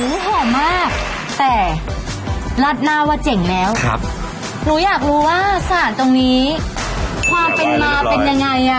หอมมากแต่ราดหน้าว่าเจ๋งแล้วครับหนูอยากรู้ว่าสารตรงนี้ความเป็นมาเป็นยังไงอ่ะ